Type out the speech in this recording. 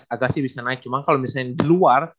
agassi bisa naik cuma kalau misalnya di luar